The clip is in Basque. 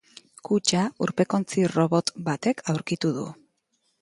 Kutxa urpekontzi-robot batek aurkitu du.